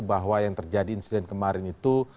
bahwa yang terjadi insiden kemarin itu